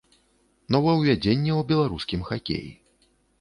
Новаўвядзенне ў беларускім хакеі.